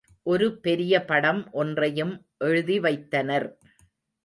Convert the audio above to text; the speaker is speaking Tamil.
ஒரு பெரிய படம் ஒன்றையும் எழுதிவைத்தனர்.